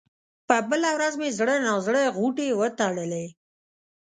په بله ورځ مې زړه نا زړه غوټې وتړلې.